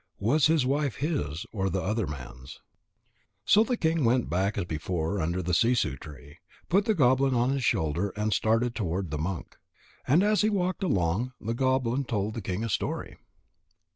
Was his wife his or the other man's?_ So the king went back as before under the sissoo tree, put the goblin on his shoulder, and started toward the monk. And as he walked along, the goblin told the king a story.